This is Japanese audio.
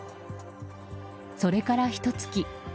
それからひと月。